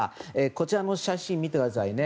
こちらの写真を見てください。